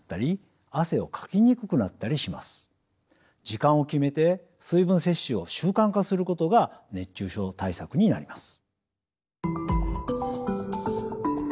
時間を決めて水分摂取を習慣化することが熱中症対策になります。